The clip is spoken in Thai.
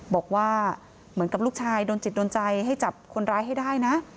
บอกว่าเหมือนกับลูกชายโดนจิตโดนใจให้จับคนร้ายให้ได้นะ